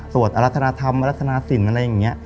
สวดอรรธนธรรมอรรธนาศิลป์อะไรอย่างนี้